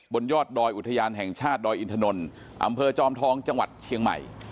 บนยอดดอยอุทยานแห่งชาติดอยอินทนนอำเภอจอมทองจังหวัดเชียงใหม่